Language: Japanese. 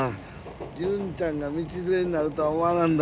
純ちゃんが道連れになるとは思わなんだ。